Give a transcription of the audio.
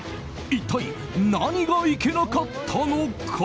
一体、何がいけなかったのか。